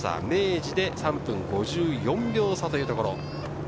明治で３分５４秒差というところ。